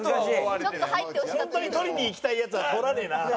ホントに取りにいきたいやつは取らねえな。